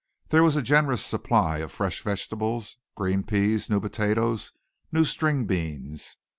There was a generous supply of fresh vegetables, green peas, new potatoes, new string beans.